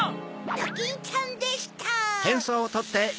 ドキンちゃんでした！